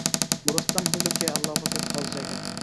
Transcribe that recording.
গোরস্থান হইল গিয়া আল্লাহ পাকের খাস জায়গা।